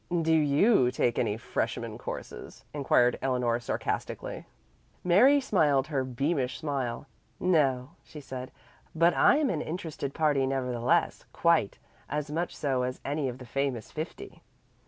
"Do you take any freshman courses?" inquired Eleanor sarcastically. Mary smiled her "beamish" smile. "No," she said, "but I'm an interested party nevertheless quite as much so as any of the famous fifty."